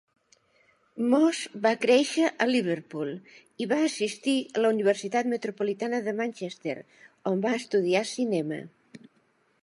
Moss va créixer a Liverpool i va assistir a la Universitat Metropolitana de Manchester, on va estudiar cinema.